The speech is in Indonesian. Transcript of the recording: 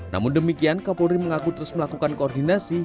namun demikian kapolri mengaku terus melakukan koordinasi